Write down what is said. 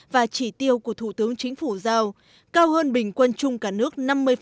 và chỉ tiêu của thủ tướng chính phủ giao cao hơn bình quân chung cả nước năm mươi